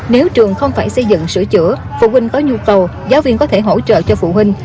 nếu trường không phải xây dựng sửa chữa phụ huynh có nhu cầu giáo viên có thể hỗ trợ cho phụ huynh